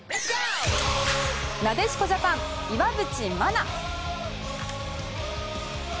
なでしこジャパン、岩渕真奈。